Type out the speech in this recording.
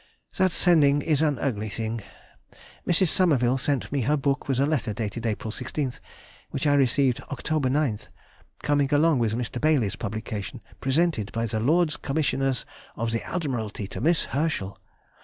... That sending is an ugly thing. Mrs. Somerville sent me her book with a letter dated April 16th, which I received October 9th, coming along with Mr. Baily's publication, presented by the Lords Commissioners of the Admiralty to Miss Herschel.